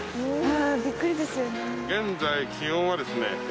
現在気温はですね